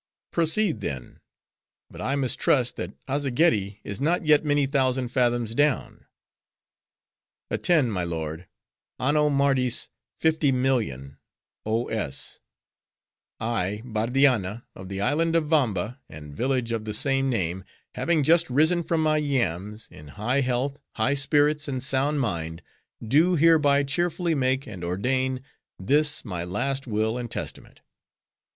"Proceed then; but I mistrust that Azzageddi is not yet many thousand fathoms down." "Attend my lord:—'Anno Mardis 50,000,000, o.s. I, Bardianna, of the island of Vamba, and village of the same name, having just risen from my yams, in high health, high spirits, and sound mind, do hereby cheerfully make and ordain this my last will and testament.